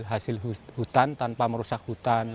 hasil hutan tanpa merusak hutan